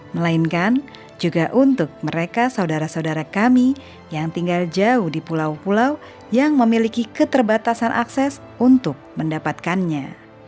melainkan juga untuk mereka saudara saudara kami yang tinggal jauh di pulau pulau yang memiliki keterbatasan akses untuk mendapatkannya